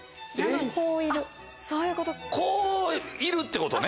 こういるってことね。